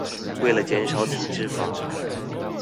為了減少體脂肪